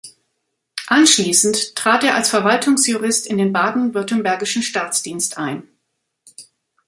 Anschließend trat er als Verwaltungsjurist in den baden-württembergischen Staatsdienst ein.